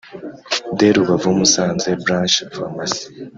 De Rubavu Musanze Branch Pharmacy